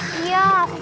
iya aku juga